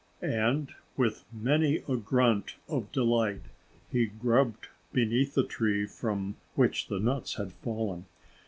And with many a grunt of delight he grubbed beneath the tree from which the nuts had fallen.